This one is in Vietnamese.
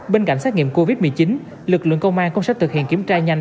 bên cạnh xét nghiệm covid một mươi chín lực lượng công an cũng sẽ thực hiện kiểm tra nhanh